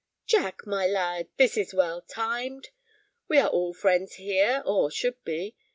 "Jack, my lad, this is well timed! We are all friends here, or should be.